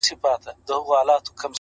هغې ويل اور ـ